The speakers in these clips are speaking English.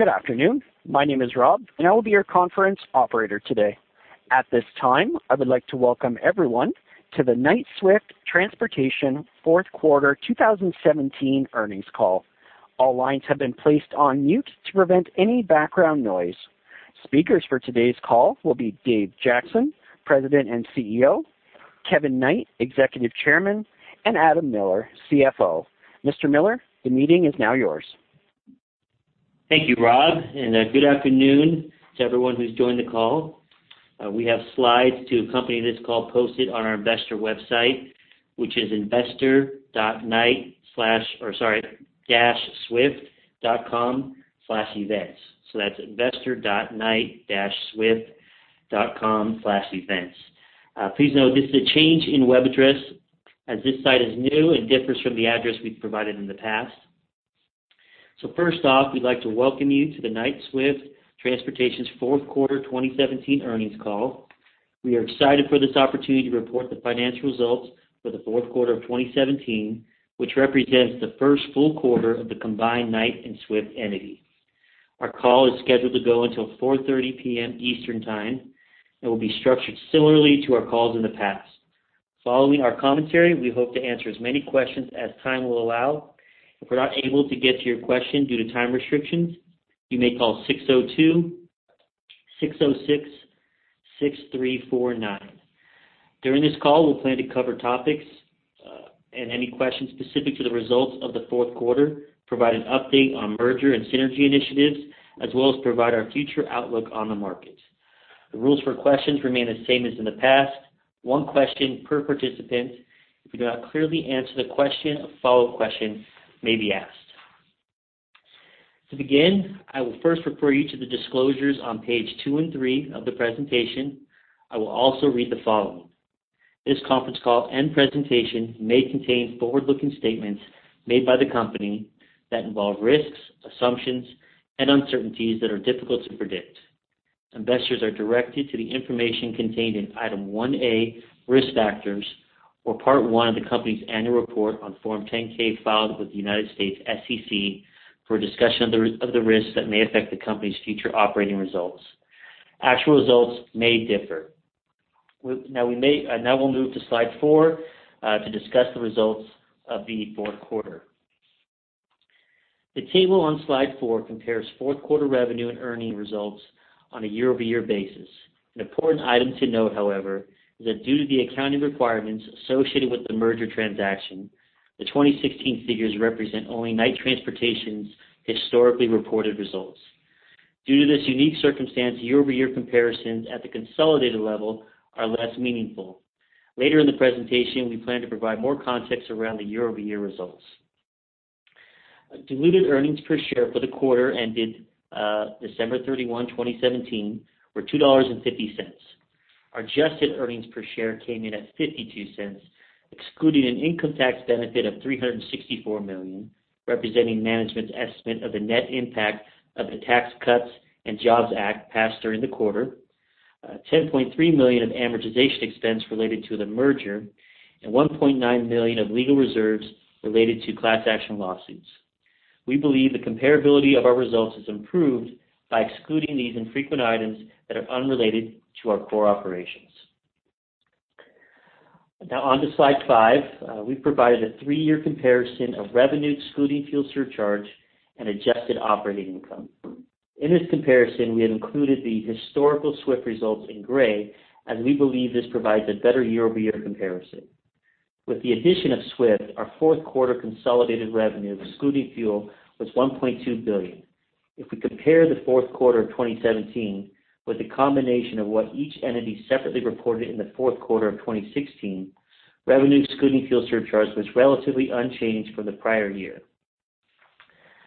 Good afternoon. My name is Rob, and I will be your conference operator today. At this time, I would like to welcome everyone to the Knight-Swift Transportation fourth quarter 2017 earnings call. All lines have been placed on mute to prevent any background noise. Speakers for today's call will be Dave Jackson, President and CEO, Kevin Knight, Executive Chairman, and Adam Miller, CFO. Mr. Miller, the meeting is now yours. Thank you, Rob, and good afternoon to everyone who's joined the call. We have slides to accompany this call posted on our investor website, which is investor.knight slash- or sorry, dash swift.com/events. So that's investor.knight-swift.com/events. Please note, this is a change in web address, as this site is new and differs from the address we've provided in the past. So first off, we'd like to welcome you to the Knight-Swift Transportation's fourth quarter, 2017 earnings call. We are excited for this opportunity to report the financial results for the fourth quarter of 2017, which represents the first full quarter of the combined Knight and Swift entity. Our call is scheduled to go until 4:30 P.M. Eastern Time, and will be structured similarly to our calls in the past. Following our commentary, we hope to answer as many questions as time will allow. If we're not able to get to your question due to time restrictions, you may call 602-606-6349. During this call, we'll plan to cover topics and any questions specific to the results of the fourth quarter, provide an update on merger and synergy initiatives, as well as provide our future outlook on the market. The rules for questions remain the same as in the past. One question per participant. If we do not clearly answer the question, a follow-up question may be asked. To begin, I will first refer you to the disclosures on Page 2 and 3 of the presentation. I will also read the following. This conference call and presentation may contain forward-looking statements made by the company that involve risks, assumptions, and uncertainties that are difficult to predict. Investors are directed to the information contained in Item 1A, Risk Factors, of Part I of the company's Annual Report on Form 10-K, filed with the United States SEC for a discussion of the risks that may affect the company's future operating results. Actual results may differ. Now we'll move to Slide 4 to discuss the results of the fourth quarter. The table on Slide 4 compares fourth quarter revenue and earning results on a year-over-year basis. An important item to note, however, is that due to the accounting requirements associated with the merger transaction, the 2016 figures represent only Knight Transportation's historically reported results. Due to this unique circumstance, year-over-year comparisons at the consolidated level are less meaningful. Later in the presentation, we plan to provide more context around the year-over-year results. Diluted earnings per share for the quarter ended December 31, 2017, were $2.50. Adjusted earnings per share came in at $0.52, excluding an income tax benefit of $364 million, representing management's estimate of the net impact of the Tax Cuts and Jobs Act passed during the quarter, $10.3 million of amortization expense related to the merger, and $1.9 million of legal reserves related to class action lawsuits. We believe the comparability of our results is improved by excluding these infrequent items that are unrelated to our core operations. Now on to Slide 5. We've provided a three-year comparison of revenue, excluding fuel surcharge and adjusted operating income. In this comparison, we have included the historical Swift results in dray, as we believe this provides a better year-over-year comparison. With the addition of Swift, our fourth quarter consolidated revenue, excluding fuel, was $1.2 billion. If we compare the fourth quarter of 2017 with the combination of what each entity separately reported in the fourth quarter of 2016, revenue, excluding fuel surcharges, was relatively unchanged from the prior year.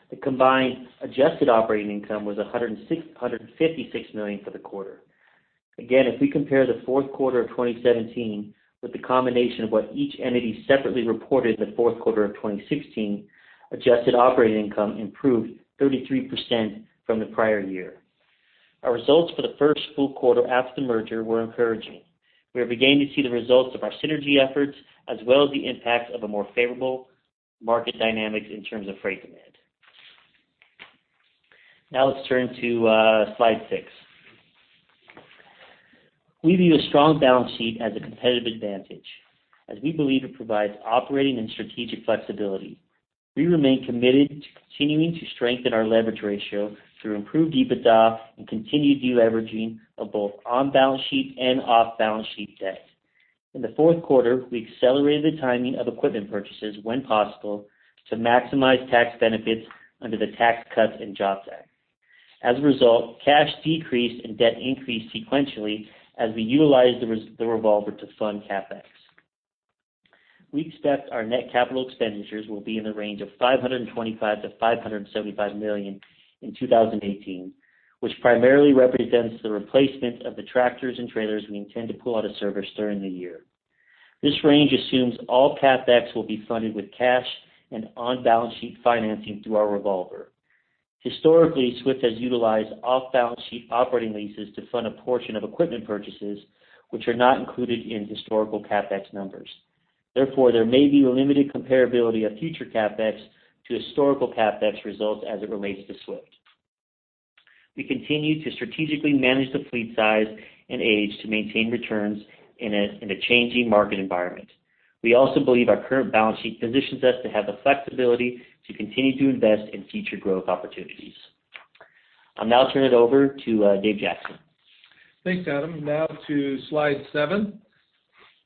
The combined adjusted operating income was $166 million for the quarter. Again, if we compare the fourth quarter of 2017 with the combination of what each entity separately reported in the fourth quarter of 2016, adjusted operating income improved 33% from the prior year. Our results for the first full quarter after the merger were encouraging. We are beginning to see the results of our synergy efforts, as well as the impacts of a more favorable market dynamics in terms of freight demand. Now let's turn to Slide 6. We view a strong balance sheet as a competitive advantage, as we believe it provides operating and strategic flexibility. We remain committed to continuing to strengthen our leverage ratio through improved EBITDA and continued deleveraging of both on-balance sheet and off-balance sheet debt. In the fourth quarter, we accelerated the timing of equipment purchases, when possible, to maximize tax benefits under the Tax Cuts and Jobs Act. As a result, cash decreased and debt increased sequentially as we utilized the revolver to fund CapEx. We expect our net capital expenditures will be in the range of $525 million-$575 million in 2018, which primarily represents the replacement of the tractors and trailers we intend to pull out of service during the year. This range assumes all CapEx will be funded with cash and on-balance sheet financing through our revolver. Historically, Swift has utilized off-balance sheet operating leases to fund a portion of equipment purchases, which are not included in historical CapEx numbers. Therefore, there may be limited comparability of future CapEx to historical CapEx results as it relates to Swift. We continue to strategically manage the fleet size and age to maintain returns in a changing market environment. We also believe our current balance sheet positions us to have the flexibility to continue to invest in future growth opportunities. I'll now turn it over to Dave Jackson. Thanks, Adam. Now to Slide 7.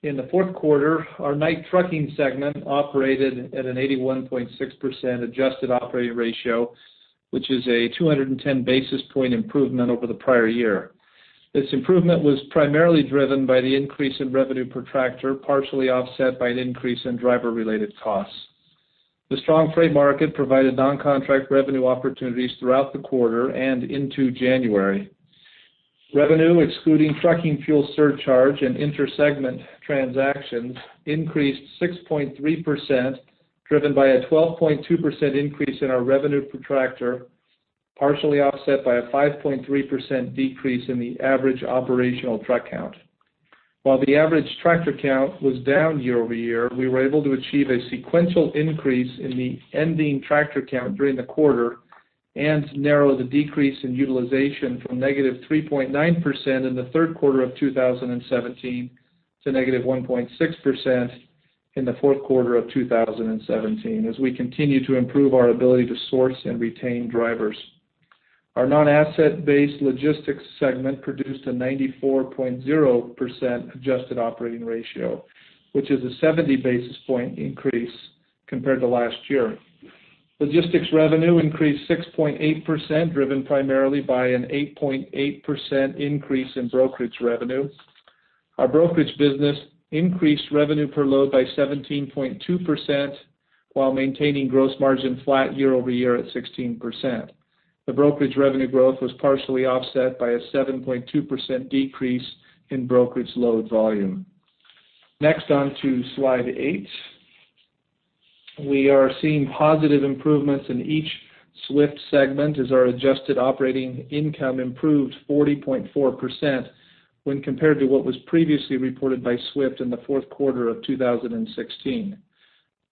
In the fourth quarter, our Knight trucking segment operated at an 81.6% adjusted operating ratio, which is a 210 basis point improvement over the prior year. This improvement was primarily driven by the increase in revenue per tractor, partially offset by an increase in driver-related costs. The strong freight market provided non-contract revenue opportunities throughout the quarter and into January. Revenue, excluding trucking fuel surcharge and inter-segment transactions, increased 6.3%, driven by a 12.2% increase in our revenue per tractor, partially offset by a 5.3% decrease in the average operational truck count. While the average tractor count was down year-over-year, we were able to achieve a sequential increase in the ending tractor count during the quarter and narrow the decrease in utilization from -3.9% in the third quarter of 2017 to -1.6% in the fourth quarter of 2017, as we continue to improve our ability to source and retain drivers. Our non-asset-based logistics segment produced a 94.0% adjusted operating ratio, which is a 70 basis points increase compared to last year. Logistics revenue increased 6.8%, driven primarily by an 8.8% increase in brokerage revenue. Our brokerage business increased revenue per load by 17.2% while maintaining gross margin flat year-over-year at 16%. The brokerage revenue growth was partially offset by a 7.2% decrease in brokerage load volume. Next, on to Slide 8. We are seeing positive improvements in each Swift segment, as our adjusted operating income improved 40.4% when compared to what was previously reported by Swift in the fourth quarter of 2016.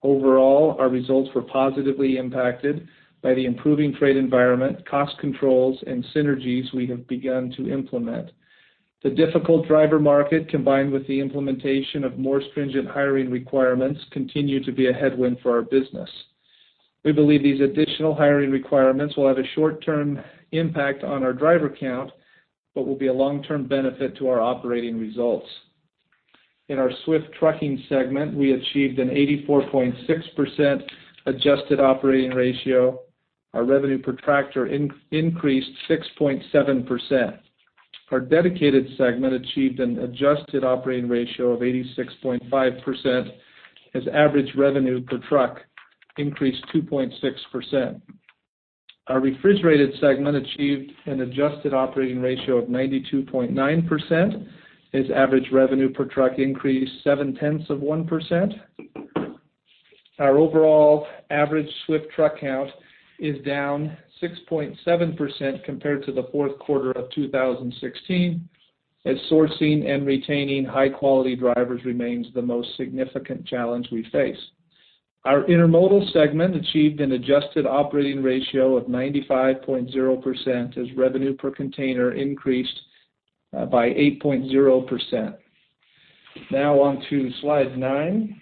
Overall, our results were positively impacted by the improving trade environment, cost controls, and synergies we have begun to implement. The difficult driver market, combined with the implementation of more stringent hiring requirements, continue to be a headwind for our business. We believe these additional hiring requirements will have a short-term impact on our driver count, but will be a long-term benefit to our operating results. In our Swift trucking segment, we achieved an 84.6% adjusted operating ratio. Our revenue per tractor increased 6.7%. Our Dedicated Segment achieved an Adjusted Operating Ratio of 86.5%, as average revenue per truck increased 2.6%. Our Refrigerated Segment achieved an Adjusted Operating Ratio of 92.9%, as average revenue per truck increased 0.7%. Our overall average Swift truck count is down 6.7% compared to the fourth quarter of 2016, as sourcing and retaining high-quality drivers remains the most significant challenge we face. Our Intermodal Segment achieved an Adjusted Operating Ratio of 95.0%, as revenue per container increased by 8.0%. Now, on to Slide 9.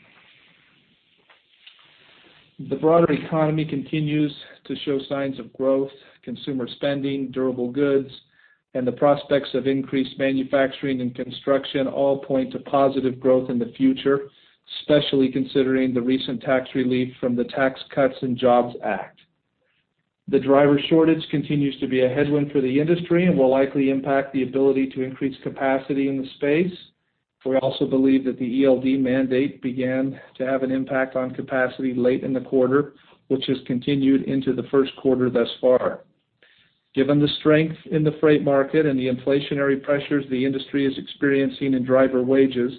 The broader economy continues to show signs of growth, consumer spending, durable goods, and the prospects of increased manufacturing and construction all point to positive growth in the future, especially considering the recent tax relief from the Tax Cuts and Jobs Act. The driver shortage continues to be a headwind for the industry and will likely impact the ability to increase capacity in the space. We also believe that the ELD mandate began to have an impact on capacity late in the quarter, which has continued into the first quarter thus far. Given the strength in the freight market and the inflationary pressures the industry is experiencing in driver wages,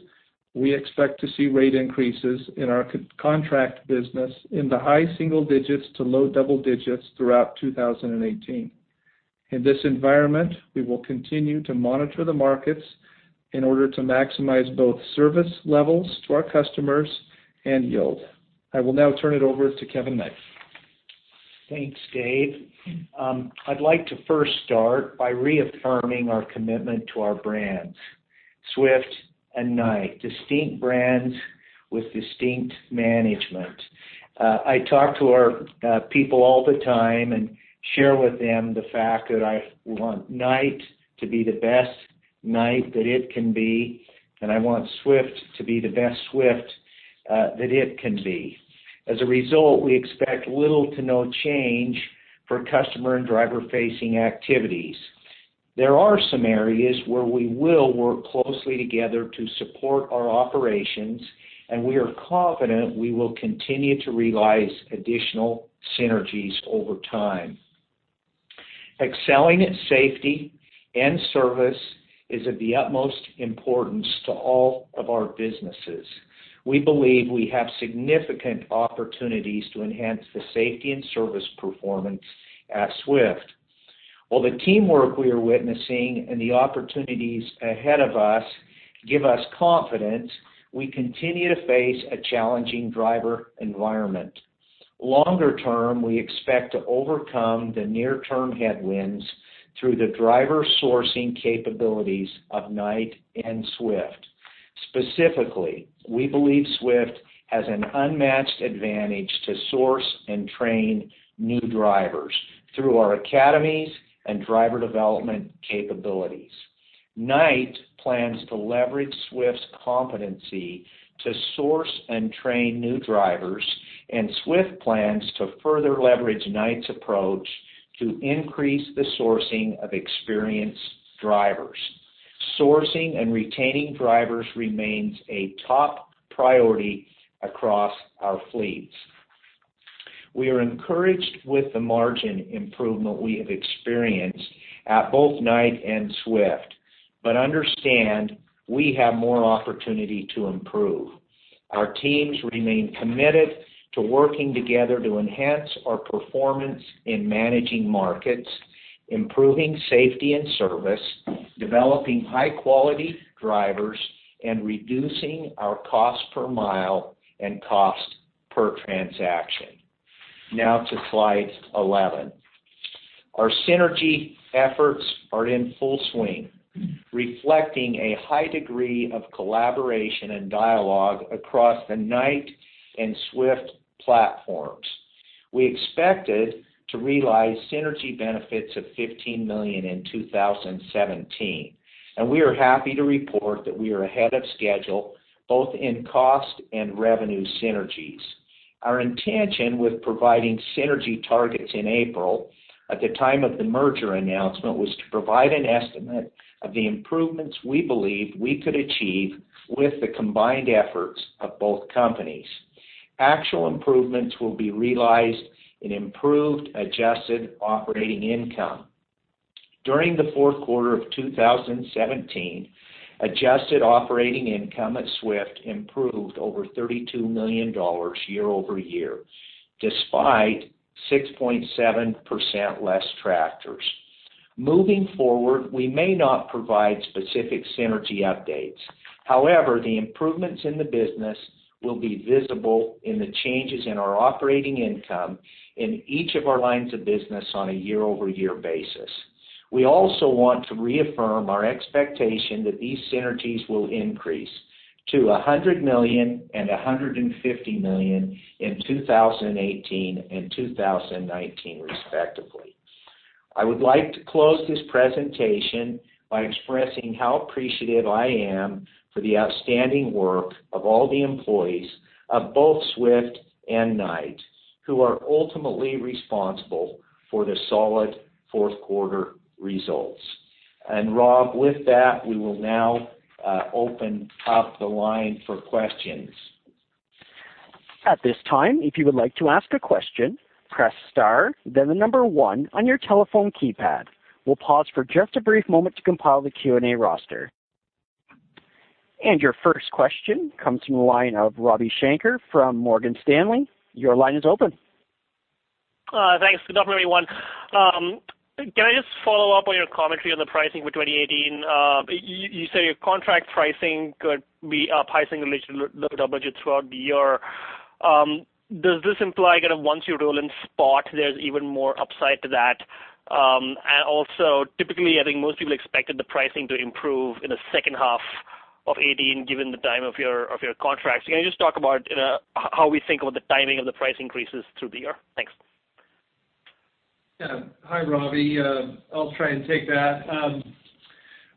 we expect to see rate increases in our contract business in the high single digits to low double digits throughout 2018. In this environment, we will continue to monitor the markets in order to maximize both service levels to our customers and yield. I will now turn it over to Kevin Knight. Thanks, Dave. I'd like to first start by reaffirming our commitment to our brands, Swift and Knight, distinct brands with distinct management. I talk to our people all the time and share with them the fact that I want Knight to be the best Knight that it can be, and I want Swift to be the best Swift that it can be. As a result, we expect little to no change for customer and driver-facing activities. There are some areas where we will work closely together to support our operations, and we are confident we will continue to realize additional synergies over time. Excelling at safety and service is of the utmost importance to all of our businesses. We believe we have significant opportunities to enhance the safety and service performance at Swift.... While the teamwork we are witnessing and the opportunities ahead of us give us confidence, we continue to face a challenging driver environment. Longer term, we expect to overcome the near-term headwinds through the driver sourcing capabilities of Knight and Swift. Specifically, we believe Swift has an unmatched advantage to source and train new drivers through our academies and driver development capabilities. Knight plans to leverage Swift's competency to source and train new drivers, and Swift plans to further leverage Knight's approach to increase the sourcing of experienced drivers. Sourcing and retaining drivers remains a top priority across our fleets. We are encouraged with the margin improvement we have experienced at both Knight and Swift, but understand we have more opportunity to improve. Our teams remain committed to working together to enhance our performance in managing markets, improving safety and service, developing high-quality drivers, and reducing our cost per mile and cost per transaction. Now to Slide 11. Our synergy efforts are in full swing, reflecting a high degree of collaboration and dialogue across the Knight and Swift platforms. We expected to realize synergy benefits of $15 million in 2017, and we are happy to report that we are ahead of schedule, both in cost and revenue synergies. Our intention with providing synergy targets in April, at the time of the merger announcement, was to provide an estimate of the improvements we believed we could achieve with the combined efforts of both companies. Actual improvements will be realized in improved adjusted operating income. During the fourth quarter of 2017, adjusted operating income at Swift improved over $32 million year-over-year, despite 6.7% less tractors. Moving forward, we may not provide specific synergy updates. However, the improvements in the business will be visible in the changes in our operating income in each of our lines of business on a year-over-year basis. We also want to reaffirm our expectation that these synergies will increase to $100 million and $150 million in 2018 and 2019, respectively. I would like to close this presentation by expressing how appreciative I am for the outstanding work of all the employees of both Swift and Knight, who are ultimately responsible for the solid fourth quarter results. And Rob, with that, we will now open up the line for questions. At this time, if you would like to ask a question, press star, then the number one on your telephone keypad. We'll pause for just a brief moment to compile the Q&A roster. Your first question comes from the line of Ravi Shanker from Morgan Stanley. Your line is open. Thanks. Good afternoon, everyone. Can I just follow up on your commentary on the pricing for 2018? You say your contract pricing could be up high single digit, low double digits throughout the year. Does this imply kind of once you roll in spot, there's even more upside to that? And also, typically, I think most people expected the pricing to improve in the second half of 2018, given the time of your contracts. Can you just talk about, you know, how we think about the timing of the price increases through the year? Thanks. Yeah. Hi, Ravi. I'll try and take that.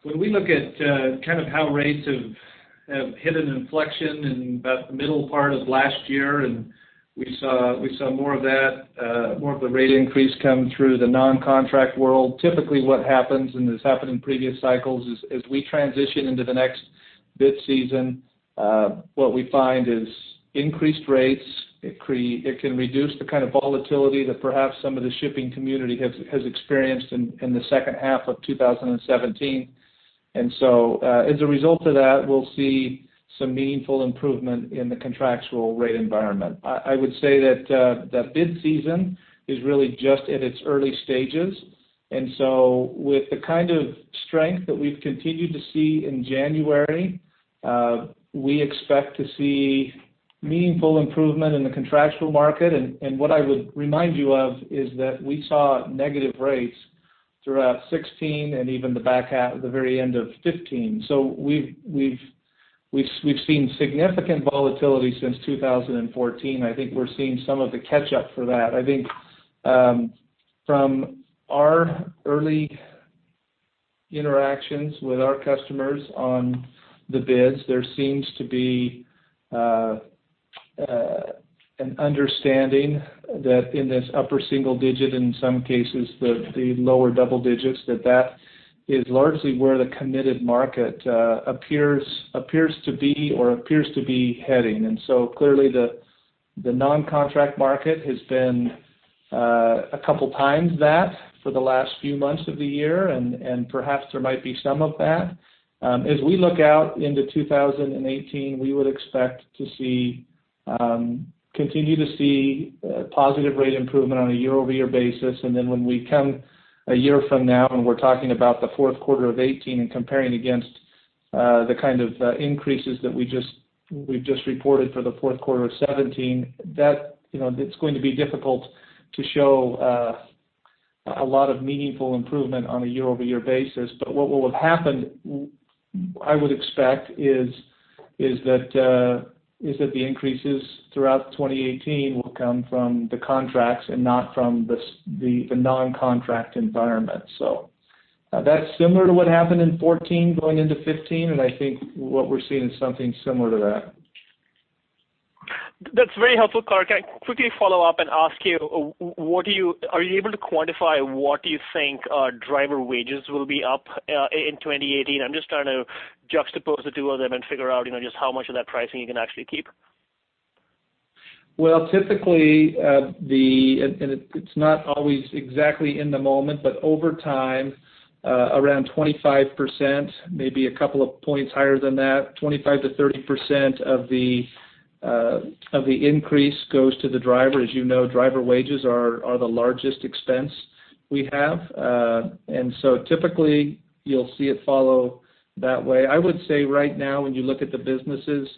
When we look at kind of how rates have hit an inflection in about the middle part of last year, and we saw more of that more of the rate increase come through the non-contract world, typically what happens, and this happened in previous cycles, is as we transition into the next bid season, what we find is increased rates, it can reduce the kind of volatility that perhaps some of the shipping community has experienced in the second half of 2017. And so, as a result of that, we'll see some meaningful improvement in the contractual rate environment. I would say that the bid season is really just in its early stages, and so with the kind of strength that we've continued to see in January, we expect to see meaningful improvement in the contractual market. And what I would remind you of is that we saw negative rates throughout 2016 and even the back half, the very end of 2015. So we've seen significant volatility since 2014. I think we're seeing some of the catch-up for that. I think, from our early interactions with our customers on the bids, there seems to be an understanding that in this upper single digit, in some cases, the lower double digits, that that is largely where the committed market appears to be or appears to be heading. And so clearly, the non-contract market has been a couple times that for the last few months of the year, and perhaps there might be some of that. As we look out into 2018, we would expect to see... continue to see positive rate improvement on a year-over-year basis, and then when we come a year from now, and we're talking about the fourth quarter of 2018 and comparing against the kind of increases that we just, we've just reported for the fourth quarter of 2017, that, you know, it's going to be difficult to show a lot of meaningful improvement on a year-over-year basis. But what will have happened, I would expect, is that the increases throughout 2018 will come from the contracts and not from the the non-contract environment. So, that's similar to what happened in 2014 going into 2015, and I think what we're seeing is something similar to that. That's very helpful, color Can I quickly follow up and ask you, what do you... Are you able to quantify what you think driver wages will be up in 2018? I'm just trying to juxtapose the two of them and figure out, you know, just how much of that pricing you can actually keep. Well, typically, it's not always exactly in the moment, but over time, around 25%, maybe a couple of points higher than that, 25%-30% of the increase goes to the driver. As you know, driver wages are the largest expense we have. And so typically, you'll see it follow that way. I would say right now, when you look at the businesses,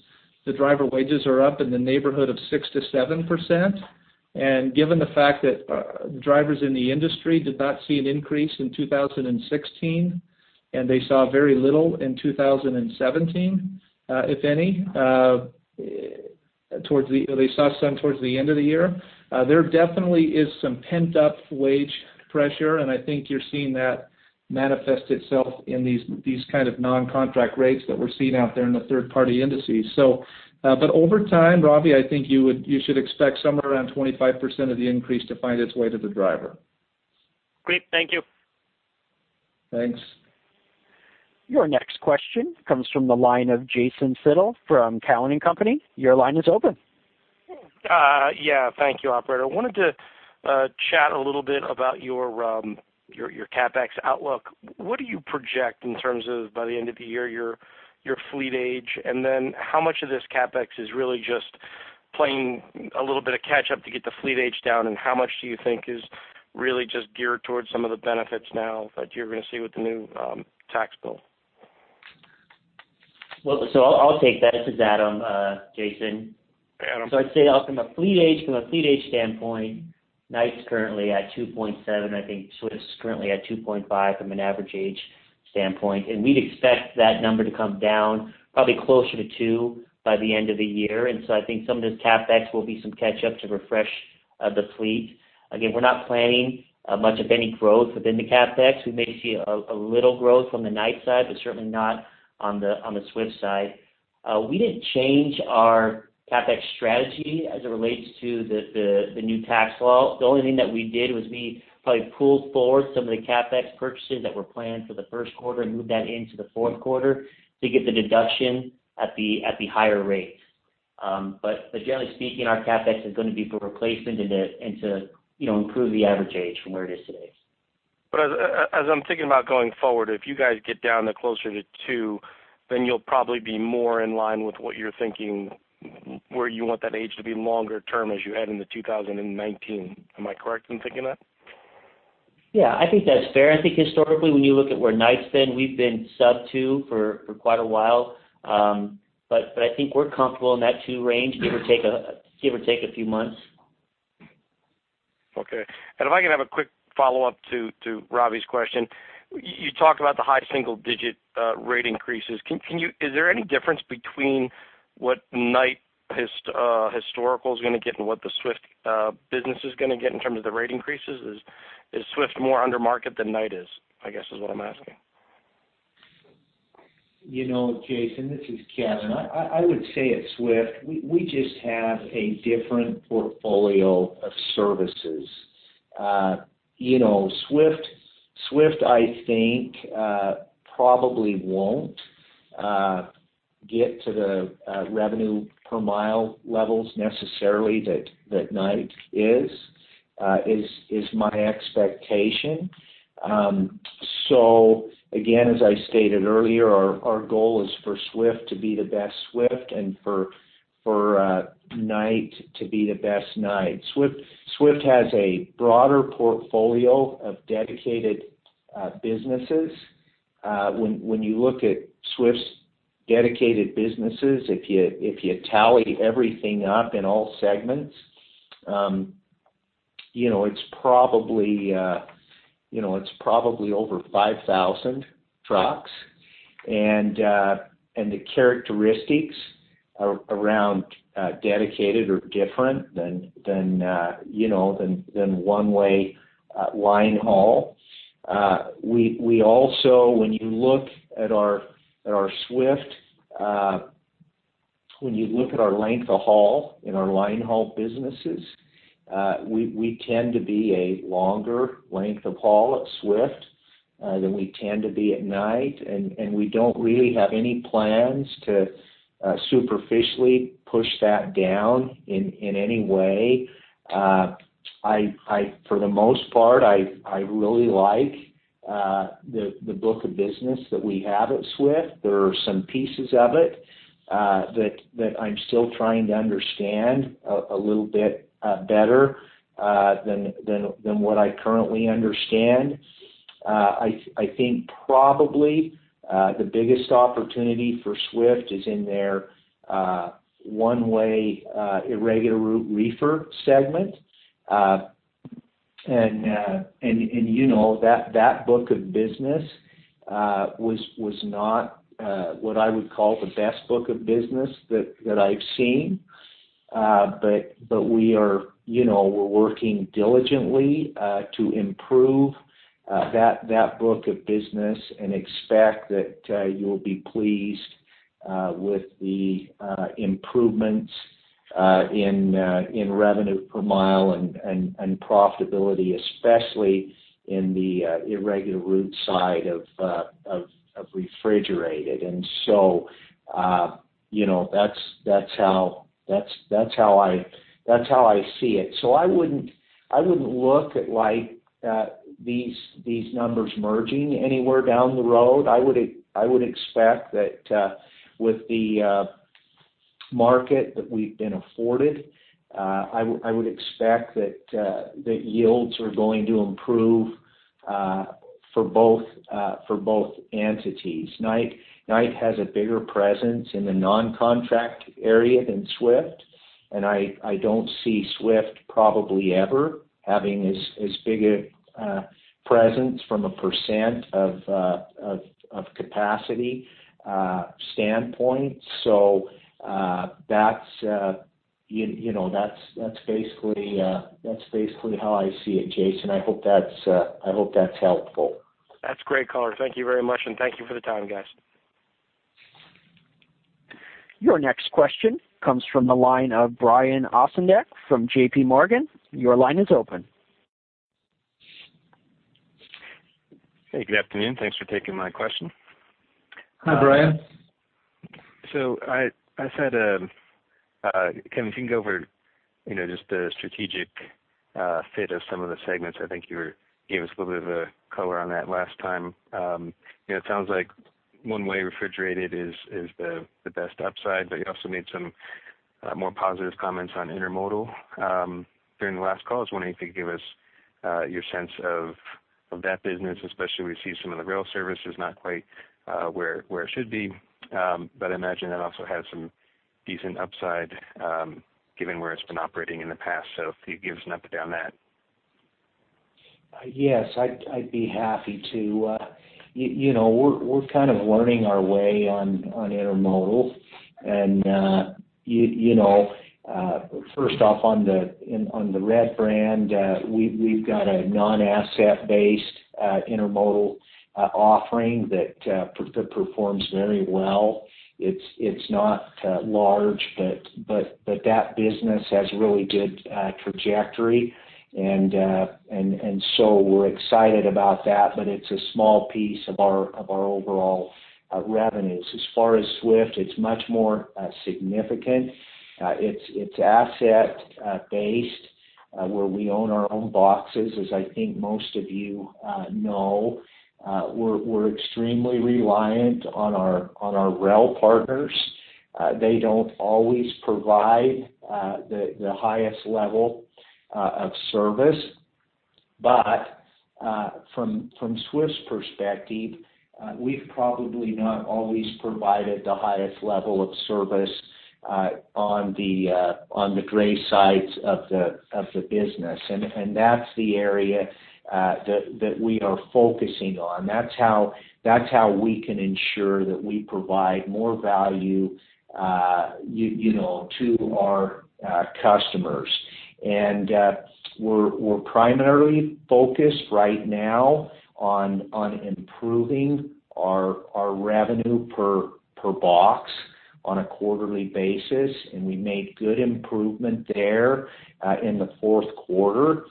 the driver wages are up in the neighborhood of 6%-7%. And given the fact that drivers in the industry did not see an increase in 2016, and they saw very little in 2017, if any, towards the end of the year, there definitely is some pent-up wage pressure, and I think you're seeing that manifest itself in these kind of non-contract rates that we're seeing out there in the third-party indices. So, but over time, Ravi, I think you should expect somewhere around 25% of the increase to find its way to the driver. Great. Thank you. Thanks. Your next question comes from the line of Jason Seidl from Cowen and Company. Your line is open. Yeah, thank you, operator. I wanted to chat a little bit about your CapEx outlook. What do you project in terms of, by the end of the year, your fleet age? And then how much of this CapEx is really just playing a little bit of catch up to get the fleet age down, and how much do you think is really just geared towards some of the benefits now that you're going to see with the new tax bill? Well, so I'll, I'll take that. This is Adam, Jason. Hey, Adam. So I'd say from a fleet age, from a fleet age standpoint, Knight's currently at 2.7, I think Swift is currently at 2.5 from an average age standpoint, and we'd expect that number to come down probably closer to two by the end of the year. And so I think some of this CapEx will be some catch up to refresh the fleet. Again, we're not planning much of any growth within the CapEx. We may see a, a little growth on the Knight side, but certainly not on the Swift side. We didn't change our CapEx strategy as it relates to the new tax law. The only thing that we did was we probably pulled forward some of the CapEx purchases that were planned for the first quarter and moved that into the fourth quarter to get the deduction at the higher rates. But generally speaking, our CapEx is going to be for replacement and to you know improve the average age from where it is today. But as I'm thinking about going forward, if you guys get down to closer to two, then you'll probably be more in line with what you're thinking, where you want that age to be longer term as you head into 2019. Am I correct in thinking that? Yeah, I think that's fair. I think historically, when you look at where Knight's been, we've been sub 2 for quite a while. But I think we're comfortable in that two range, give or take a few months. Okay. If I could have a quick follow-up to Ravi's question. You talked about the high single digit rate increases. Is there any difference between what Knight historical is going to get and what the Swift business is going to get in terms of the rate increases? Is Swift more under market than Knight is, I guess is what I'm asking? You know, Jason, this is Kevin. I would say at Swift, we just have a different portfolio of services. You know, Swift, I think probably won't get to the revenue per mile levels necessarily that Knight is, is my expectation. So again, as I stated earlier, our goal is for Swift to be the best Swift and for Knight to be the best Knight. Swift has a broader portfolio of dedicated businesses. When you look at Swift's dedicated businesses, if you tally everything up in all segments, you know, it's probably over 5,000 trucks. And the characteristics around dedicated are different than, you know, than one-way line haul. We also, when you look at our Swift, when you look at our length of haul in our line haul businesses, we tend to be a longer length of haul at Swift than we tend to be at Knight, and we don't really have any plans to superficially push that down in any way. For the most part, I really like the book of business that we have at Swift. There are some pieces of it that I'm still trying to understand a little bit better than what I currently understand. I think probably the biggest opportunity for Swift is in their one-way irregular route reefer segment. You know, that book of business was not what I would call the best book of business that I've seen. But we are, you know, we're working diligently to improve that book of business and expect that you'll be pleased with the improvements in revenue per mile and profitability, especially in the irregular route side of refrigerated. And so, you know, that's how I see it. So I wouldn't look at, like, these numbers merging anywhere down the road. I would expect that, with the market that we've been afforded, I would expect that, that yields are going to improve, for both, for both entities. Knight has a bigger presence in the non-contract area than Swift, and I don't see Swift probably ever having as big a presence from a percent of capacity standpoint. So, you know, that's basically how I see it, Jason. I hope that's helpful. That's great, Kevin. Thank you very much, and thank you for the time, guys. Your next question comes from the line of Brian Ossenbeck from JPMorgan. Your line is open. Hey, good afternoon. Thanks for taking my question. Hi, Brian. So can we think over, you know, just the strategic fit of some of the segments? I think you gave us a little bit of a color on that last time. You know, it sounds like one way refrigerated is the best upside, but you also made some more positive comments on intermodal during the last call. I was wondering if you could give us your sense of that business, especially we see some of the rail services not quite where it should be, but I imagine that also has some decent upside given where it's been operating in the past. So if you could give us an update on that. Yes, I'd, I'd be happy to. You know, we're kind of learning our way on intermodal, and you know, first off, on the Red brand, we've got a non-asset-based intermodal offering that performs very well. It's not large, but that business has really good trajectory, and so we're excited about that, but it's a small piece of our overall revenues. As far as Swift, it's much more significant. It's asset based, where we own our own boxes, as I think most of you know. We're extremely reliant on our rail partners. They don't always provide the highest level of service. But, from Swift's perspective, we've probably not always provided the highest level of service, on the dray sides of the business, and that's the area that we are focusing on. That's how we can ensure that we provide more value, you know, to our customers. And, we're primarily focused right now on improving our revenue per box on a quarterly basis, and we made good improvement there, in the fourth quarter.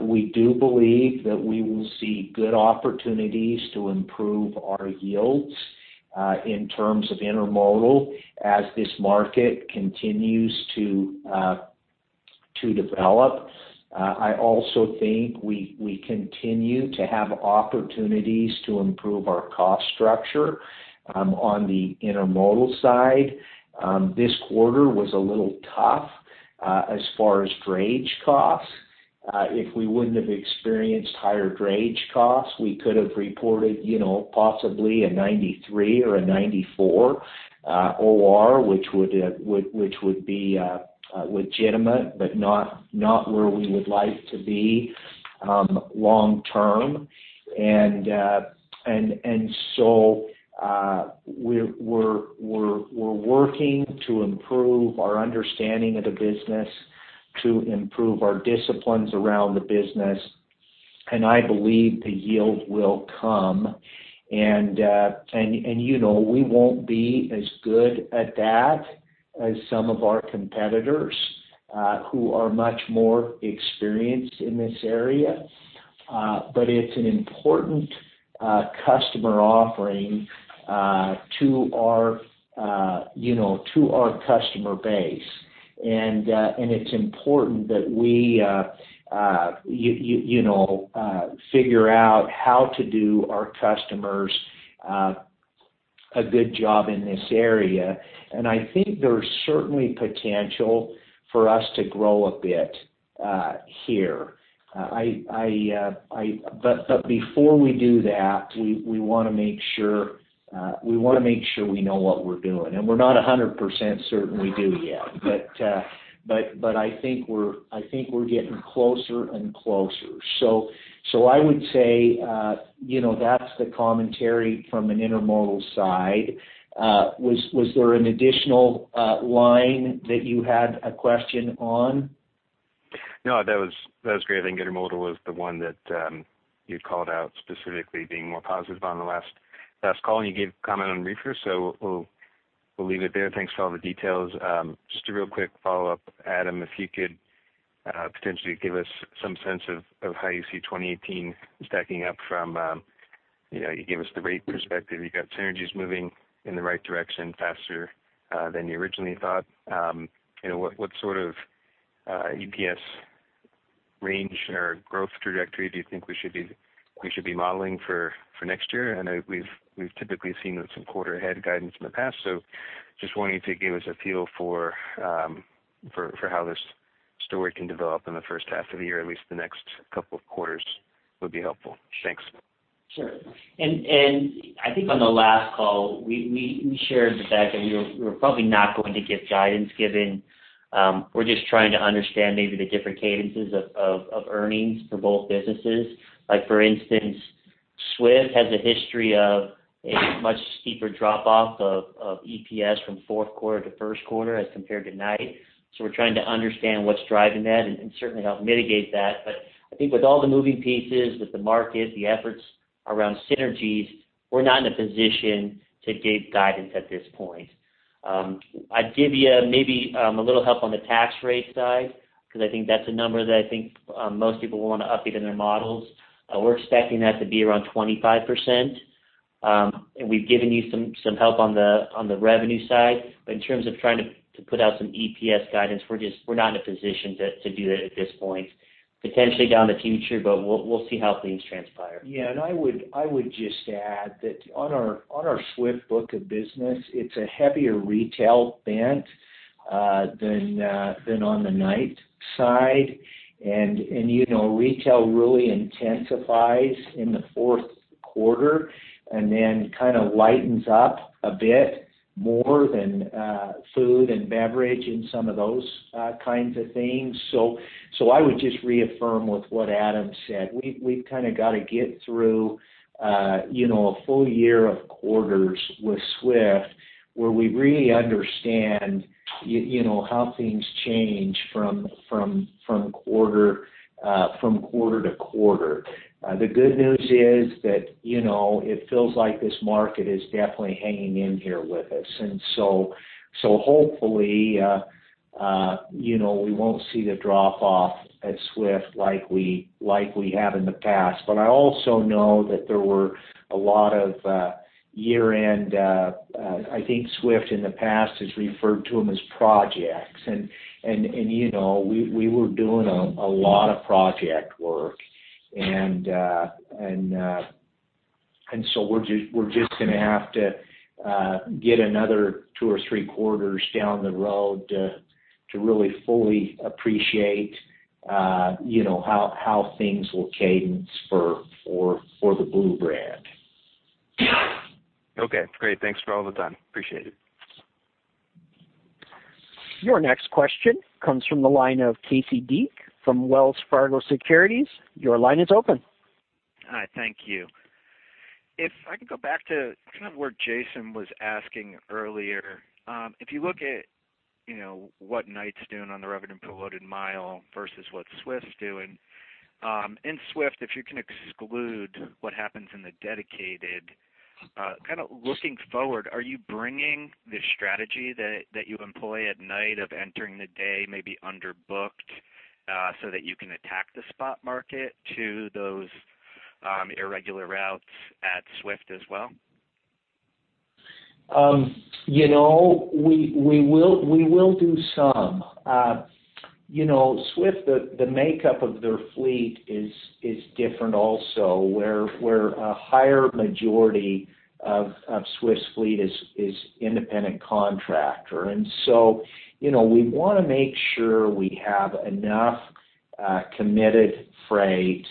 We do believe that we will see good opportunities to improve our yields, in terms of intermodal, as this market continues to develop. I also think we continue to have opportunities to improve our cost structure, on the intermodal side. This quarter was a little tough as far as drayage costs. If we wouldn't have experienced higher drayage costs, we could have reported, you know, possibly a 93 or a 94 OR, which would be legitimate, but not where we would like to be long term. And so we're working to improve our understanding of the business, to improve our disciplines around the business, and I believe the yield will come. And you know, we won't be as good at that as some of our competitors who are much more experienced in this area. But it's an important customer offering to our you know to our customer base. It's important that we, you know, figure out how to do our customers a good job in this area. And I think there's certainly potential for us to grow a bit here. But before we do that, we want to make sure we know what we're doing, and we're not 100% certain we do yet. But I think we're getting closer and closer. So I would say, you know, that's the commentary from an Intermodal side. Was there an additional line that you had a question on? No, that was, that was great. I think intermodal was the one that you'd called out specifically being more positive on the last, last call, and you gave comment on reefer, so we'll, we'll leave it there. Thanks for all the details. Just a real quick follow-up, Adam, if you could potentially give us some sense of how you see 2018 stacking up from, you know, you gave us the rate perspective. You got synergies moving in the right direction faster than you originally thought. You know, what, what sort of EPS range or growth trajectory do you think we should be, we should be modeling for, for next year? I know we've typically seen some quarter ahead guidance in the past, so just wanting you to give us a feel for how this story can develop in the first half of the year, at least the next couple of quarters, would be helpful. Thanks. Sure. And I think on the last call, we shared the fact that we were probably not going to give guidance, given, we're just trying to understand maybe the different cadences of earnings for both businesses. Like, for instance, Swift has a history of a much steeper drop-off of EPS from fourth quarter to first quarter as compared to Knight. So we're trying to understand what's driving that and certainly help mitigate that. But I think with all the moving pieces, with the market, the efforts around synergies, we're not in a position to give guidance at this point. I'd give you maybe a little help on the tax rate side, because I think that's a number that I think most people want to update in their models. We're expecting that to be around 25%. And we've given you some help on the revenue side. But in terms of trying to put out some EPS guidance, we're just, we're not in a position to do that at this point. Potentially in the future, but we'll see how things transpire. Yeah, and I would, I would just add that on our, on our Swift book of business, it's a heavier retail bent, than, than on the Knight side. And, and, you know, retail really intensifies in the fourth quarter and then kind of lightens up a bit more than, food and beverage and some of those, kinds of things. So, so I would just reaffirm with what Adam said. We, we've kind of got to get through, you know, a full year of quarters with Swift, where we really understand, you, you know, how things change from, from, from quarter, from quarter to quarter. The good news is that, you know, it feels like this market is definitely hanging in here with us. And so hopefully, you know, we won't see the drop-off at Swift like we have in the past. But I also know that there were a lot of year-end... I think Swift in the past has referred to them as projects, and, you know, we were doing a lot of project work. And so we're just going to have to get another two or three quarters down the road to really fully appreciate, you know, how things will cadence for the blue brand. Okay, great. Thanks for all the time. Appreciate it. Your next question comes from the line of Casey Deak from Wells Fargo Securities. Your line is open. Hi, thank you. If I could go back to kind of where Jason was asking earlier, if you look at, you know, what Knight's doing on the revenue per loaded mile versus what Swift's doing, in Swift, if you can exclude what happens in the dedicated, kind of looking forward, are you bringing the strategy that you employ at Knight of entering the day maybe underbooked, so that you can attack the spot market to those irregular routes at Swift as well? You know, we will do some. You know, Swift, the makeup of their fleet is different also, where a higher majority of Swift's fleet is independent contractor. And so, you know, we want to make sure we have enough committed freight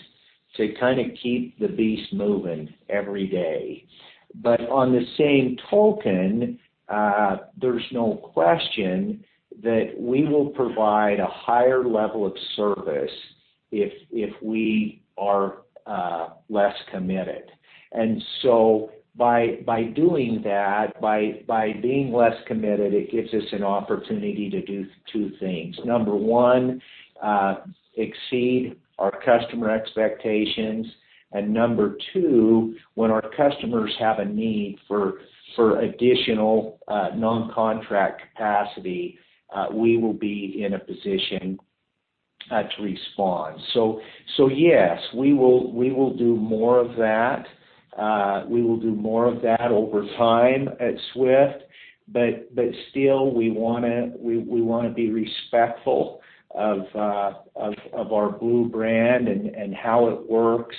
to kind of keep the beast moving every day. But on the same token, there's no question that we will provide a higher level of service if we are less committed. And so by doing that, by being less committed, it gives us an opportunity to do two things. Number one, exceed our customer expectations, and number two, when our customers have a need for additional non-contract capacity, we will be in a position to respond. So yes, we will do more of that. We will do more of that over time at Swift, but still, we wanna be respectful of our Blue brand and how it works,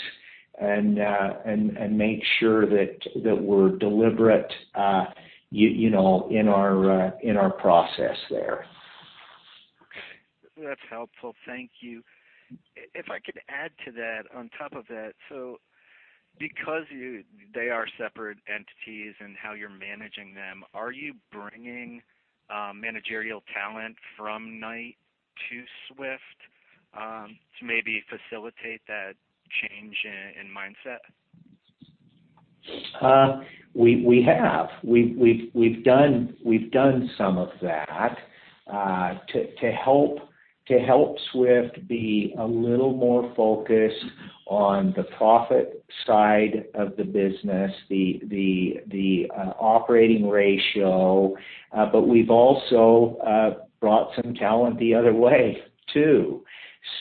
and make sure that we're deliberate, you know, in our process there. Okay, that's helpful. Thank you. If I could add to that, on top of that, so because they are separate entities and how you're managing them, are you bringing managerial talent from Knight to Swift to maybe facilitate that change in mindset? We've done some of that to help Swift be a little more focused on the profit side of the business, the operating ratio. But we've also brought some talent the other way, too.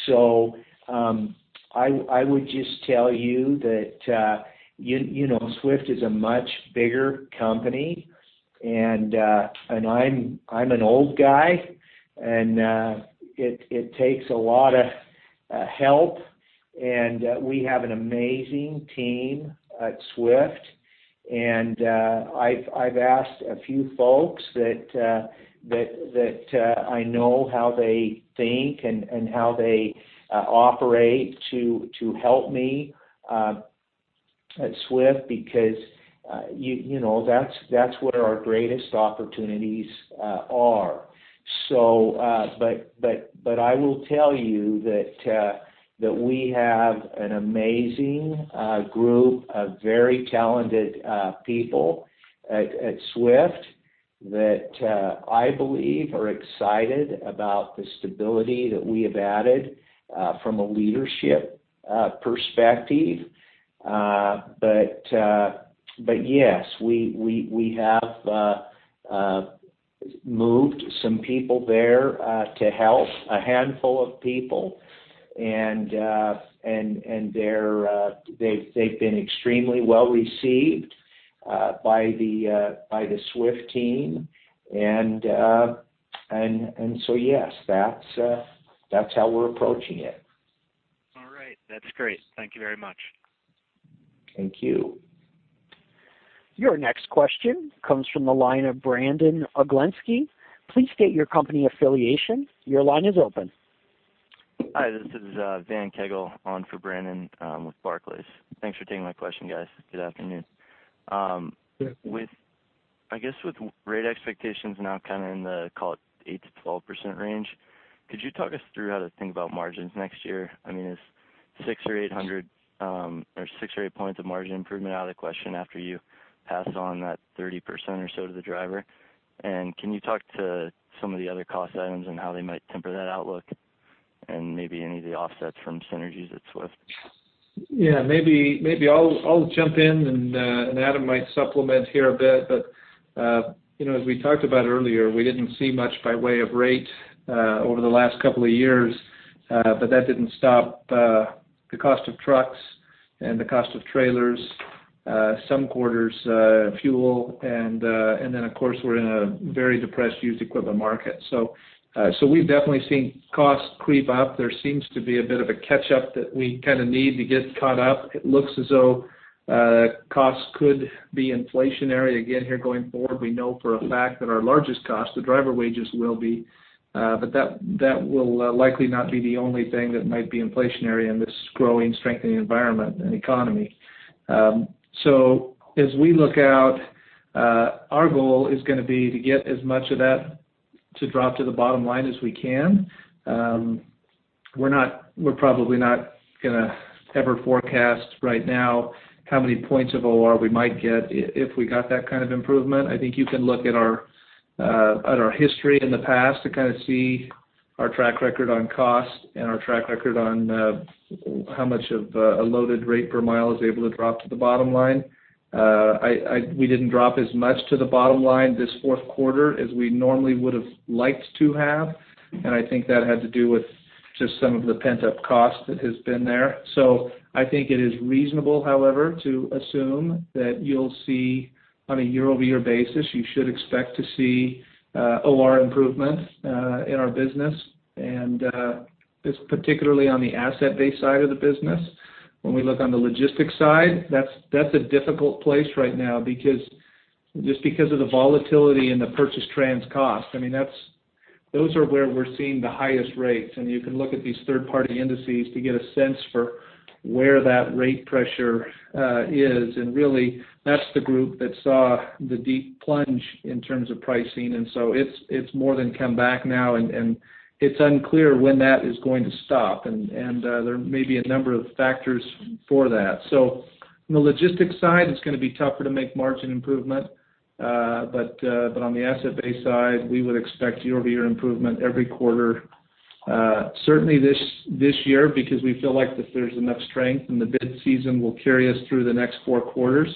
So, I would just tell you that, you know, Swift is a much bigger company, and I'm an old guy, and it takes a lot of help. And we have an amazing team at Swift, and I've asked a few folks that I know how they think and how they operate to help me at Swift, because you know, that's where our greatest opportunities are. But I will tell you that we have an amazing group of very talented people at Swift that I believe are excited about the stability that we have added from a leadership perspective. But yes, we have moved some people there to help, a handful of people, and they've been extremely well received by the Swift team. And so yes, that's how we're approaching it. All right. That's great. Thank you very much. Thank you. Your next question comes from the line of Brandon Oglenski. Please state your company affiliation. Your line is open. Hi, this is Van Kegel, on for Brandon, with Barclays. Thanks for taking my question, guys. Good afternoon. Good afternoon. With—I guess, with rate expectations now kind of in the, call it, 8%-12% range, could you talk us through how to think about margins next year? I mean, is 600 or 800, or six or eight points of margin improvement out of the question after you pass on that 30% or so to the driver? And can you talk to some of the other cost items and how they might temper that outlook, and maybe any of the offsets from synergies at Swift? Yeah, maybe I'll jump in, and Adam might supplement here a bit. But, you know, as we talked about earlier, we didn't see much by way of rate over the last couple of years, but that didn't stop the cost of trucks and the cost of trailers, some quarters, fuel, and, and then, of course, we're in a very depressed used equipment market. So, so we've definitely seen costs creep up. There seems to be a bit of a catch-up that we kind of need to get caught up. It looks as though, costs could be inflationary again here going forward. We know for a fact that our largest cost, the driver wages, will be, but that will likely not be the only thing that might be inflationary in this growing, strengthening environment and economy. So as we look out, our goal is gonna be to get as much of that to drop to the bottom line as we can. We're probably not gonna ever forecast right now how many points of OR we might get if we got that kind of improvement. I think you can look at our history in the past to kind of see our track record on cost and our track record on how much of a loaded rate per mile is able to drop to the bottom line. I... We didn't drop as much to the bottom line this fourth quarter as we normally would have liked to have, and I think that had to do with just some of the pent-up cost that has been there. So I think it is reasonable, however, to assume that you'll see, on a year-over-year basis, you should expect to see OR improvement in our business, and it's particularly on the asset-based side of the business. When we look on the logistics side, that's a difficult place right now because just because of the volatility in the purchased transportation cost. I mean, those are where we're seeing the highest rates, and you can look at these third-party indices to get a sense for where that rate pressure is. Really, that's the group that saw the deep plunge in terms of pricing, and so it's more than come back now, and there may be a number of factors for that. So on the logistics side, it's gonna be tougher to make margin improvement, but on the asset-based side, we would expect year-over-year improvement every quarter, certainly this year, because we feel like that there's enough strength, and the bid season will carry us through the next four quarters,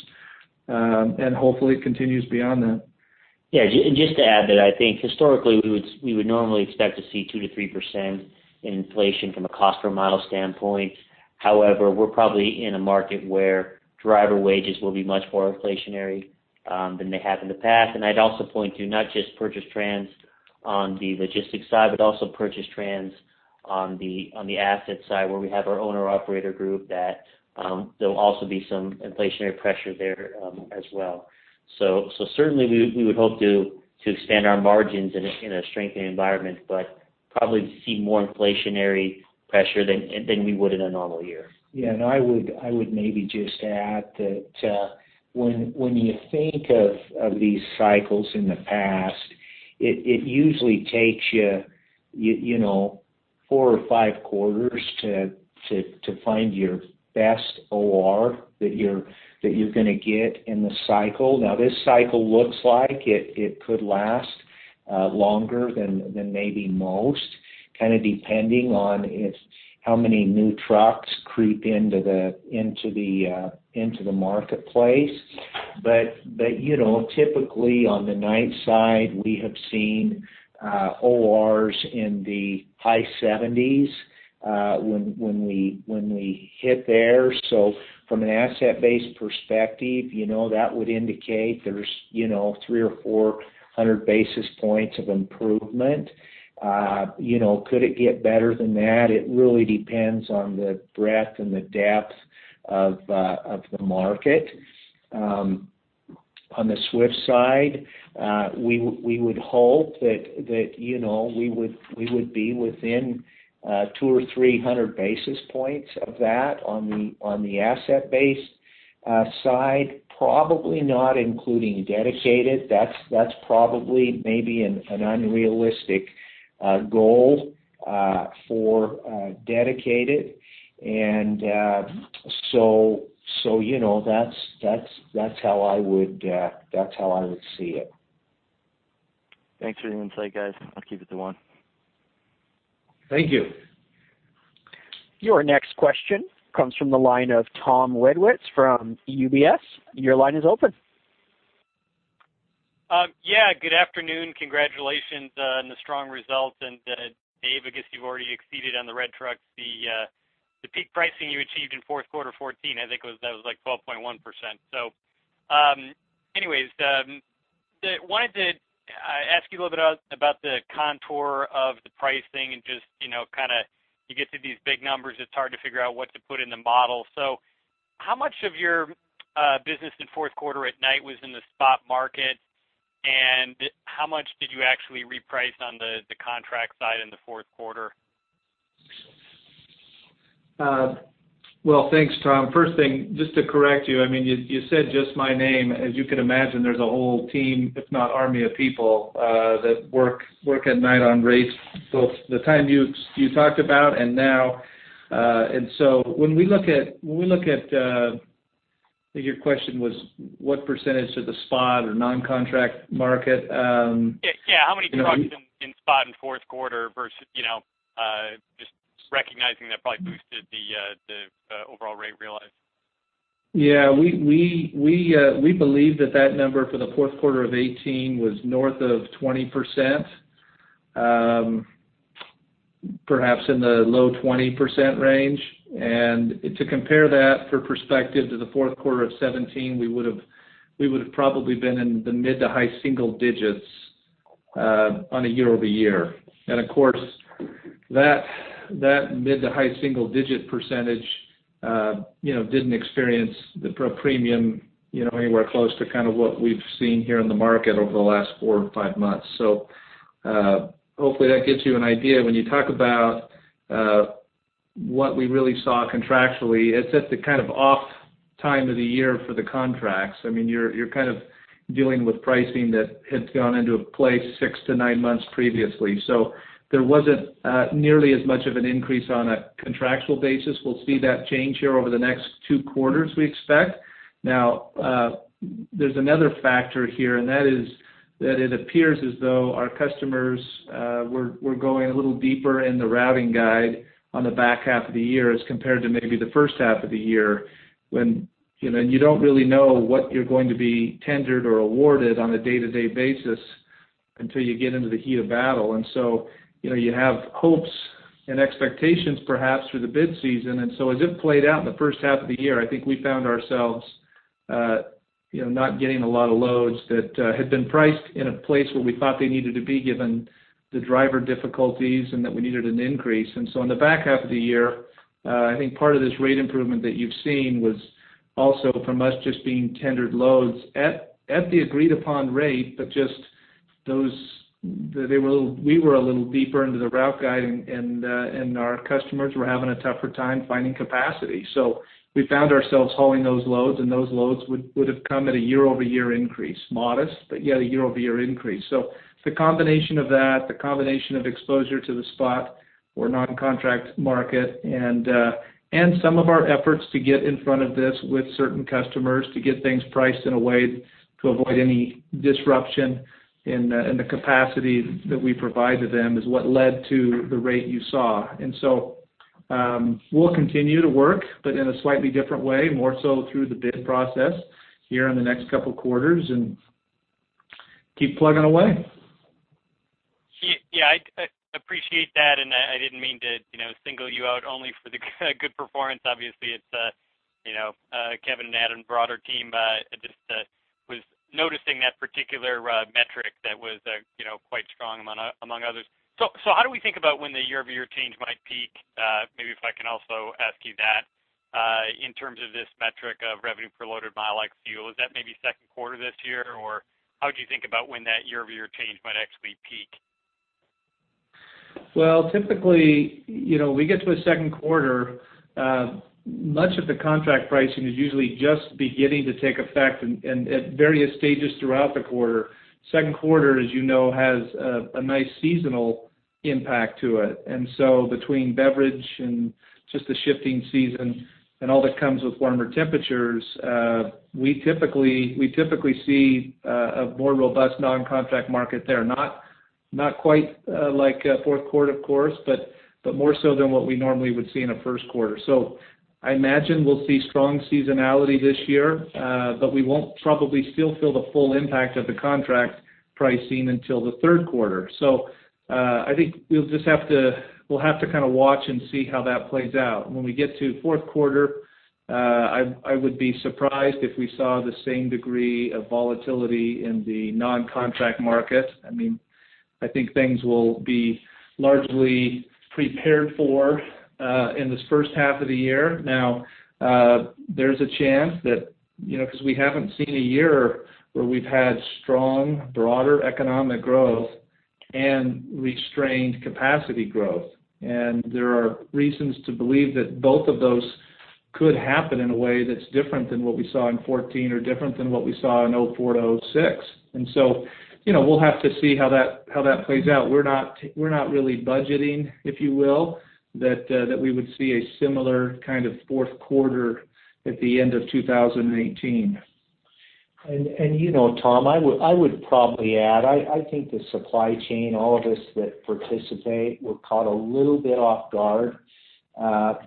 and hopefully it continues beyond that. Yeah, and just to add that I think historically, we would normally expect to see 2%-3% in inflation from a cost per model standpoint. However, we're probably in a market where driver wages will be much more inflationary than they have in the past. And I'd also point to not just purchase trends on the logistics side, but also purchase trends on the asset side, where we have our owner-operator group, that there'll also be some inflationary pressure there as well. So certainly, we would hope to expand our margins in a strengthening environment, but probably see more inflationary pressure than we would in a normal year. Yeah, and I would maybe just add that, when you think of these cycles in the past, it usually takes you, you know, four or five quarters to find your best OR that you're going to get in the cycle. Now, this cycle looks like it could last longer than maybe most, kind of depending on if how many new trucks creep into the marketplace. But you know, typically, on the Knight side, we have seen ORs in the high 70s, when we hit there. So from an asset-based perspective, you know, that would indicate there's, you know, 300 or 400 basis points of improvement. You know, could it get better than that? It really depends on the breadth and the depth of the market. On the Swift side, we would hope that, you know, we would be within 200 or 300 basis points of that on the asset-based side, probably not including dedicated. That's probably maybe an unrealistic goal for dedicated. So, you know, that's how I would see it. Thanks for the insight, guys. I'll keep it to one. Thank you. Your next question comes from the line of Tom Wadewitz from UBS. Your line is open. Yeah, good afternoon. Congratulations on the strong results. Dave, I guess you've already exceeded on the red truck, the peak pricing you achieved in fourth quarter 2014, I think, was like 12.1%. So, anyways, wanted to ask you a little bit about the contour of the pricing and just, you know, kind of, you get to these big numbers, it's hard to figure out what to put in the model. So how much of your business in fourth quarter at Knight was in the spot market, and how much did you actually reprice on the contract side in the fourth quarter? Well, thanks, Tom. First thing, just to correct you, I mean, you said just my name. As you can imagine, there's a whole team, if not army of people, that work at Knight on rates, both the time you talked about and now. And so when we look at, I think your question was, what percentage of the spot or non-contract market? Yeah, yeah, how many trucks in spot in fourth quarter versus, you know, the overall rate realized? Yeah, we believe that that number for the fourth quarter of 2018 was north of 20%, perhaps in the low-20% range. And to compare that for perspective to the fourth quarter of 2017, we would've probably been in the mid- to high-single digits, on a year-over-year. And of course, that mid- to high-single-digit percentage, you know, didn't experience the spot premium, you know, anywhere close to kind of what we've seen here in the market over the last four or five months. So, hopefully, that gives you an idea. When you talk about what we really saw contractually, it's at the kind of off time of the year for the contracts. I mean, you're kind of dealing with pricing that had gone into place six to nine months previously. So there wasn't nearly as much of an increase on a contractual basis. We'll see that change here over the next two quarters, we expect. Now, there's another factor here, and that is that it appears as though our customers were going a little deeper in the routing guide on the back half of the year as compared to maybe the first half of the year. When, you know, you don't really know what you're going to be tendered or awarded on a day-to-day basis until you get into the heat of battle. And so, you know, you have hopes and expectations, perhaps, for the bid season. And so as it played out in the first half of the year, I think we found ourselves, you know, not getting a lot of loads that had been priced in a place where we thought they needed to be, given the driver difficulties and that we needed an increase. And so on the back half of the year, I think part of this rate improvement that you've seen was also from us just being tendered loads at the agreed-upon rate, but just those - they were a little... We were a little deeper into the route guide, and our customers were having a tougher time finding capacity. So we found ourselves hauling those loads, and those loads would have come at a year-over-year increase. Modest, but yet a year-over-year increase. So the combination of that, the combination of exposure to the spot or non-contract market, and, and some of our efforts to get in front of this with certain customers, to get things priced in a way to avoid any disruption in the, in the capacity that we provide to them, is what led to the rate you saw. And so, we'll continue to work, but in a slightly different way, more so through the bid process here in the next couple quarters and keep plugging away. Yeah, I appreciate that, and I didn't mean to, you know, single you out only for the good performance. Obviously, it's, you know, Kevin and Adam, broader team, just was noticing that particular metric that was, you know, quite strong among others. So how do we think about when the year-over-year change might peak? Maybe if I can also ask you that, in terms of this metric of revenue per loaded mile like fuel, is that maybe second quarter this year? Or how would you think about when that year-over-year change might actually peak? Well, typically, you know, we get to a second quarter, much of the contract pricing is usually just beginning to take effect and at various stages throughout the quarter. Second quarter, as you know, has a nice seasonal impact to it. And so between beverage and just the shifting season and all that comes with warmer temperatures, we typically see a more robust non-contract market there. Not quite like a fourth quarter, of course, but more so than what we normally would see in a first quarter. So I imagine we'll see strong seasonality this year, but we won't probably still feel the full impact of the contract pricing until the third quarter. So, I think we'll just have to—we'll have to kind of watch and see how that plays out. When we get to fourth quarter, I would be surprised if we saw the same degree of volatility in the non-contract market. I mean, I think things will be largely prepared for in this first half of the year. Now, there's a chance that, you know, because we haven't seen a year where we've had strong, broader economic growth and restrained capacity growth, and there are reasons to believe that both of those could happen in a way that's different than what we saw in 2014 or different than what we saw in 2004 to 2006. And so, you know, we'll have to see how that plays out. We're not really budgeting, if you will, that we would see a similar kind of fourth quarter at the end of 2018. You know, Tom, I would probably add, I think the supply chain, all of us that participate, were caught a little bit off guard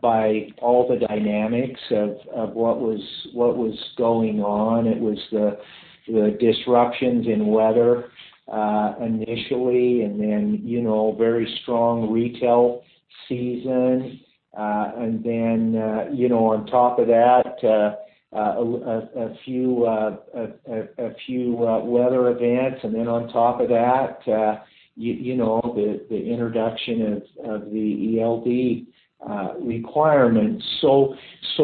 by all the dynamics of what was going on. It was the disruptions in weather initially, and then, you know, very strong retail season. And then, you know, on top of that, a few weather events. And then on top of that, you know, the introduction of the ELD requirements. So,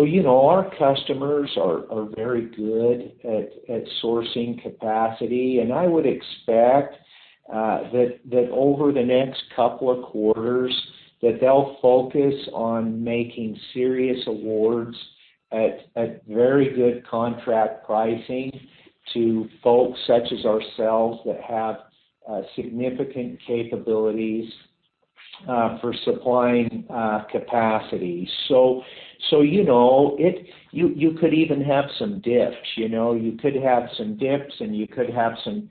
you know, our customers are very good at sourcing capacity, and I would expect that over the next couple of quarters, that they'll focus on making serious awards at very good contract pricing to folks such as ourselves that have significant capabilities for supplying capacity. So, you know, it-- you could even have some dips, you know? You could have some dips, and you could have some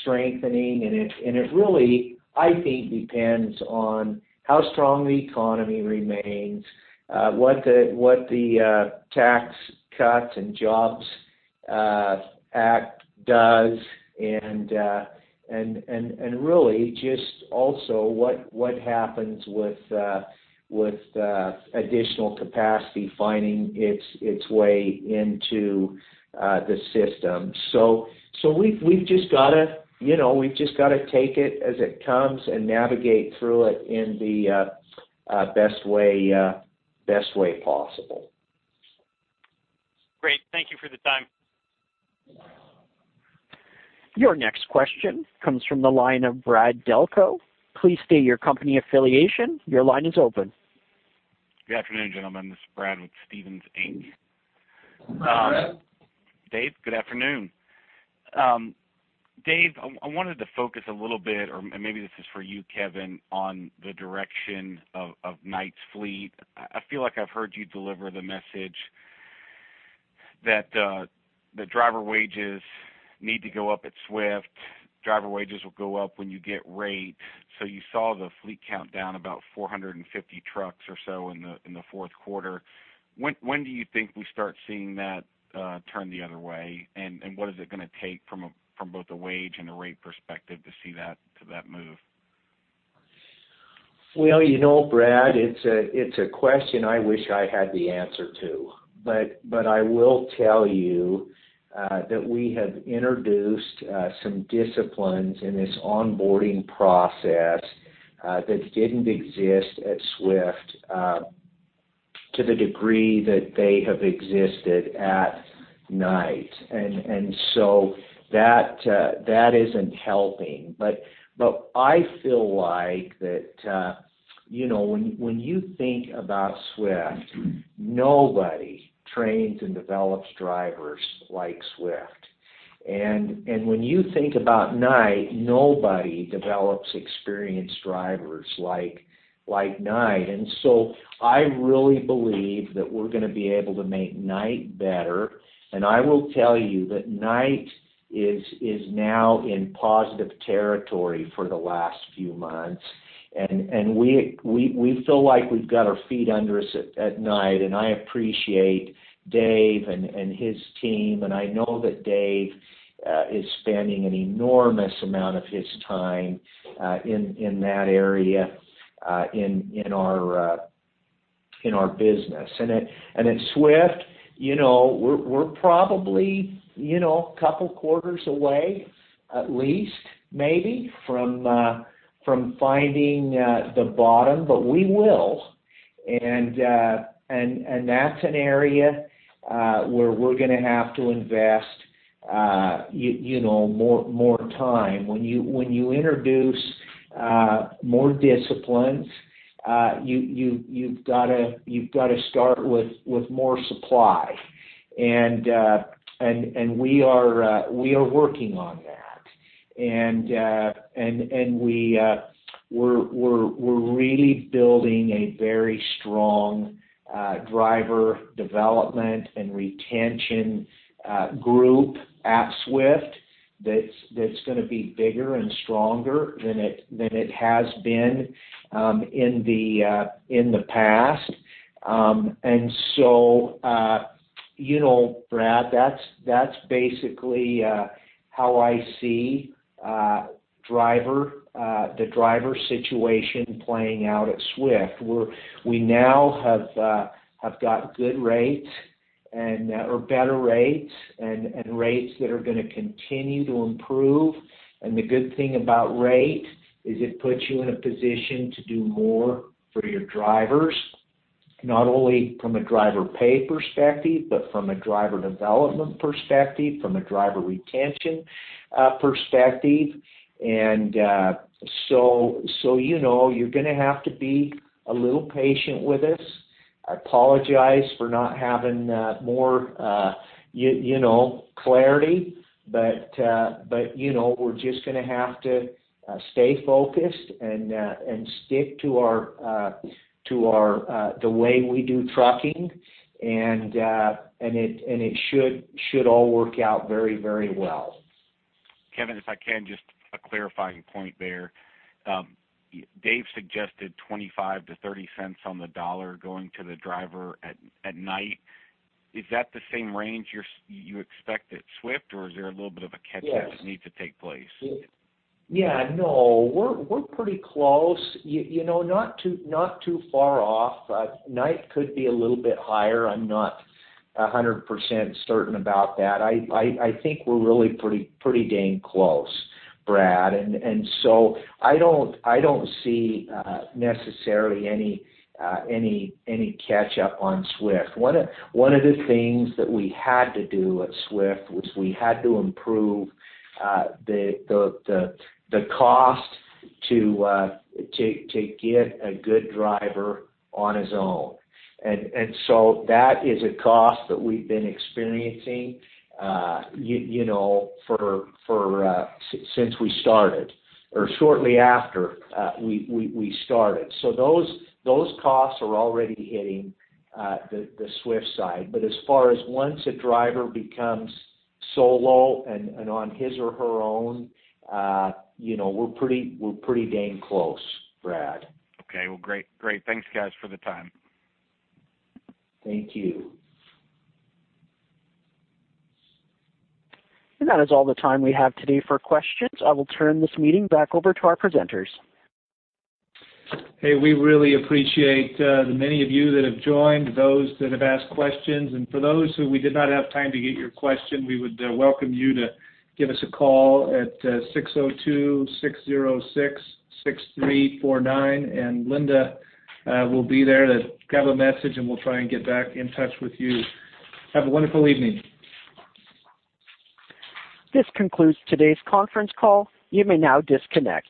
strengthening, and it really, I think, depends on how strong the economy remains, what the Tax Cuts and Jobs Act does, and really just also what happens with additional capacity finding its way into the system. So we've just got to, you know, take it as it comes and navigate through it in the best way possible. Great. Thank you for the time. Your next question comes from the line of Brad Delco. Please state your company affiliation. Your line is open. Good afternoon, gentlemen. This is Brad with Stephens Inc. Hi, Brad. Dave, good afternoon. Dave, I wanted to focus a little bit, and maybe this is for you, Kevin, on the direction of Knight's fleet. I feel like I've heard you deliver the message that the driver wages need to go up at Swift. Driver wages will go up when you get rate. So you saw the fleet count down about 450 trucks or so in the fourth quarter. When do you think we start seeing that turn the other way? And what is it gonna take from both a wage and a rate perspective to see that move? Well, you know, Brad, it's a question I wish I had the answer to. But I will tell you that we have introduced some disciplines in this onboarding process that didn't exist at Swift to the degree that they have existed at Knight. And so that isn't helping. But I feel like that, you know, when you think about Swift, nobody trains and develops drivers like Swift. And when you think about Knight, nobody develops experienced drivers like Knight. And so I really believe that we're going to be able to make Knight better. And I will tell you that Knight is now in positive territory for the last few months. And we feel like we've got our feet under us at Knight, and I appreciate Dave and his team. I know that Dave is spending an enormous amount of his time in that area in our business. And at Swift, you know, we're probably, you know, a couple quarters away, at least, maybe from finding the bottom, but we will. And that's an area where we're going to have to invest, you know, more time. When you introduce more disciplines, you've got to start with more supply. And we are working on that. And we really building a very strong driver development and retention group at Swift that's going to be bigger and stronger than it has been in the past. And so you know, Brad, that's basically how I see the driver situation playing out at Swift, where we now have got good rates or better rates and rates that are going to continue to improve. And the good thing about rate is it puts you in a position to do more for your drivers, not only from a driver pay perspective, but from a driver development perspective, from a driver retention perspective. And so you know, you're going to have to be a little patient with us. I apologize for not having more, you know, clarity, but, you know, we're just going to have to stay focused and stick to the way we do trucking, and it should all work out very, very well. Kevin, if I can, just a clarifying point there. Dave suggested $0.25-$0.30 on the dollar going to the driver at Knight. Is that the same range you expect at Swift, or is there a little bit of a catch-up- Yes... that needs to take place? Yeah, no, we're pretty close. You know, not too far off. Knight could be a little bit higher. I'm not 100% certain about that. I think we're really pretty dang close, Brad. And so I don't see necessarily any catch-up on Swift. One of the things that we had to do at Swift was we had to improve the cost to get a good driver on his own. And so that is a cost that we've been experiencing, you know, since we started, or shortly after we started. So those costs are already hitting the Swift side. But as far as once a driver becomes solo and on his or her own, you know, we're pretty, we're pretty dang close, Brad. Okay. Well, great, great. Thanks, guys, for the time. Thank you. That is all the time we have today for questions. I will turn this meeting back over to our presenters. Hey, we really appreciate the many of you that have joined, those that have asked questions. For those who we did not have time to get your question, we would welcome you to give us a call at 602-606-6349, and Linda will be there to grab a message, and we'll try and get back in touch with you. Have a wonderful evening. This concludes today's conference call. You may now disconnect.